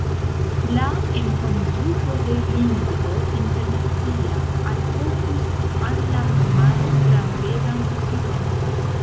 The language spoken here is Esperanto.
La enkonduko de lingvo internacia alportus al la homaro grandegan utilon.